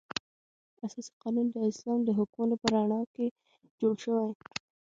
اساسي قانون د اسلام د حکمونو په رڼا کې جوړ شوی.